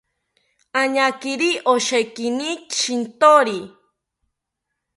Añakiri oshekini shintori